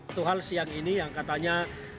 itu hal siang ini yang katanya